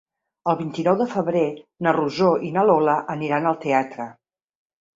El vint-i-nou de febrer na Rosó i na Lola aniran al teatre.